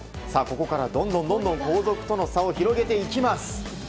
ここからどんどん後続との差を広げていきます。